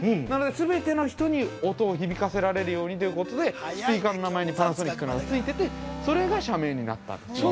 なので、全ての人に音を響かせられるようにということで、スピーカーの名前にパナソニックがついてて、それが社名になったんです。